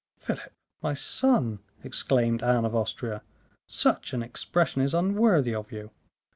"Philip, my son," exclaimed Anne of Austria, "such an expression is unworthy of you.